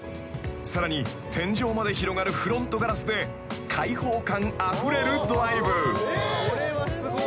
［さらに天井まで広がるフロントガラスで開放感あふれるドライブ］